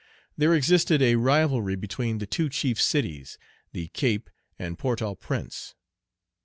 There existed a rivalry between the two chief cities, the Cape and Port au Prince.